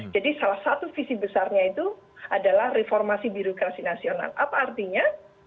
jadi salah satu visi besarnya itu adalah reformasi birokrasi nasional apa artinya